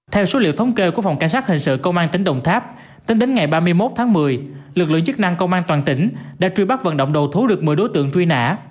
theo số liệu thống kê của phòng cảnh sát hình sự công an tỉnh đồng tháp tính đến ngày ba mươi một tháng một mươi lực lượng chức năng công an toàn tỉnh đã truy bắt vận động đầu thú được một mươi đối tượng truy nã